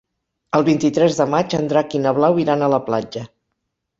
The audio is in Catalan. El vint-i-tres de maig en Drac i na Blau iran a la platja.